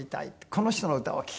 この人の歌を聴きたい。